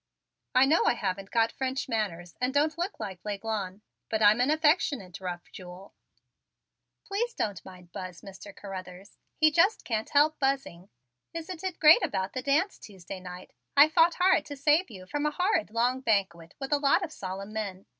"I know I haven't got French manners and don't look like L'Aiglon, but I'm an affectionate rough jewel." "Please don't mind Buzz, Mr. Carruthers he just can't help buzzing. Isn't it great about the dance Tuesday night? I fought hard to save you from a horrid long banquet with a lot of solemn men.